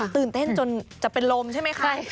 ตื่นเต้นจนจะเป็นลมใช่ไหมคะ